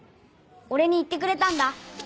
俺に言ってくれたんだ。